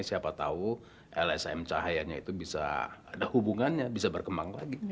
siapa tahu lsm cahayanya itu bisa ada hubungannya bisa berkembang lagi